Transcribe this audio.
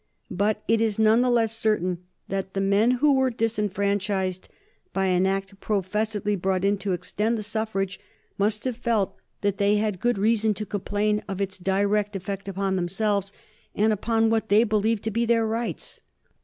But it is none the less certain that the men who were disfranchised by an Act professedly brought in to extend the suffrage must have felt that they had good reason to complain of its direct effect upon themselves and upon what they believed to be their rights.